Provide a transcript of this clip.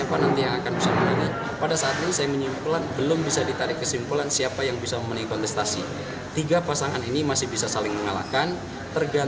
pemilih jakarta sangat berharga